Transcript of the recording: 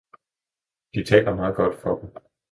De taler meget godt for Dem!